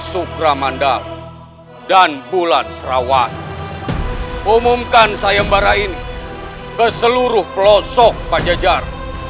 sukramandal dan bulan serawan umumkan sayembara ini ke seluruh pelosok pajajar